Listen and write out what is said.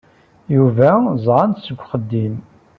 Yuba ẓẓɛent seg uxeddim.